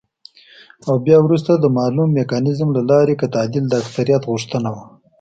او بيا وروسته د مالوم ميکانيزم له لارې که تعديل د اکثريت غوښتنه وه،